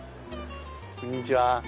こんにちは。